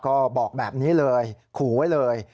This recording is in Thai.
ก็บอกแบบนี้เลยขู่ไว้เลย